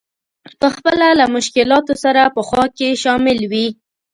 په خپله له مشکلاتو سره په خوا کې شامل وي.